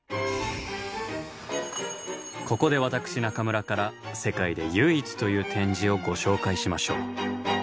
ここで私中村から世界で唯一という展示をご紹介しましょう。